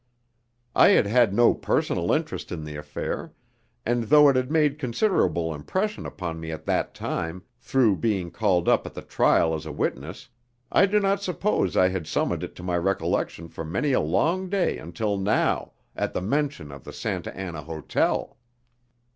I had had no personal interest in the affair, and though it had made considerable impression upon me at that time, through being called up at the trial as a witness, I do not suppose I had summoned it to my recollection for many a long day until now, at the mention of the Santa Anna Hotel.